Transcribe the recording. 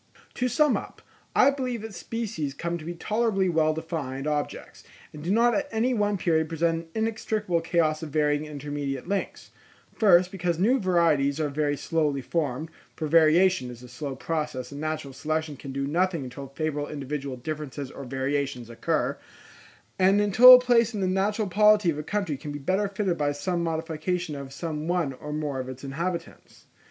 To sum up, I believe that species come to be tolerably well defined objects, and do not at any one period present an inextricable chaos of varying and intermediate links: first, because new varieties are very slowly formed, for variation is a slow process, and natural selection can do nothing until favourable individual differences or variations occur, and until a place in the natural polity of the country can be better filled by some modification of some one or more of its inhabitants.